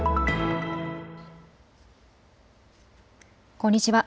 こんにちは。